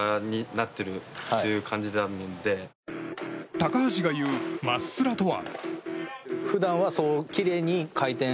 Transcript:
高橋が言う真っスラとは。